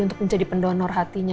untuk menjadi pendonor hatinya